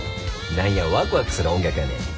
何やワクワクする音楽やねんジャズは。